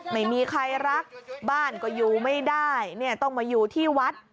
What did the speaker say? ไม่มีใครรักบ้านก็อยู่ไม่ได้เนี่ยต้องมาอยู่ที่วัด